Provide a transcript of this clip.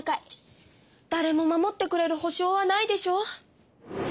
だれも守ってくれるほしょうはないでしょ？